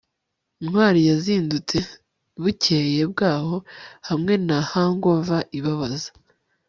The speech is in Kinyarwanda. ntwali yazindutse bukeye bwaho hamwe na hangover ibabaza